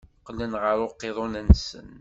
Qqlen ɣer uqiḍun-nsen.